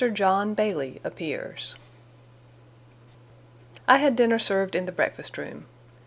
JOHN BAILEY APPEARS I had dinner served in the breakfast room.